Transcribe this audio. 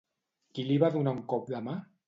Qui li va donar un cop de mà?